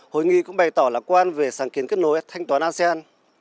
hội nghị cũng bày tỏ lạc quan về sáng kiến kết nối thanh toán asean